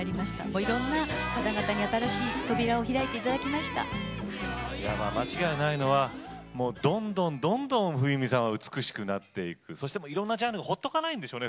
いろんな方々に新しい扉を間違いないのはどんどんどんどん冬美さんが美しくなっていくそして、いろんなジャンルが放っておかないんでしょうね